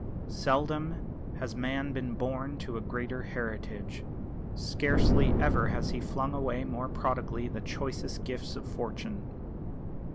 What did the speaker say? Seldom has man been born to a greater heritage; scarcely ever has he flung away more prodigally the choicest gifts of fortune.